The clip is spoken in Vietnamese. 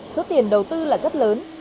số tiền đầu tư là rất lớn